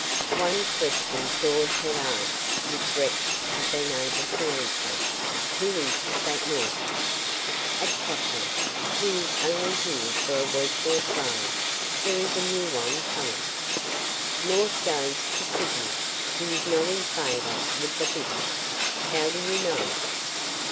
One question Dawes had asked which Rex had been able to answer: "Who is that North?" "A chaplain. He is only here for a week or so. There is a new one coming. North goes to Sydney. He is not in favour with the Bishop." "How do you know?"